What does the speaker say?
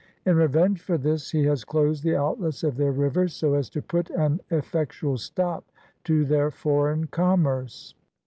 In revenge for this, he has closed the outlets of their rivers, so as to put an effectual stop to their foreign commerce.